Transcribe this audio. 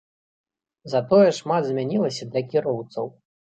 Затое шмат змянілася для кіроўцаў.